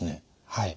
はい。